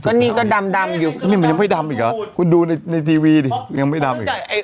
ก็นี่ก็ดำอยู่นี่มันยังไม่ดำอีกเหรอคุณดูในทีวีดิยังไม่ดำอีก